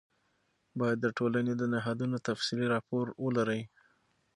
باید د ټولنې د نهادونو تفصیلي راپور ولرئ.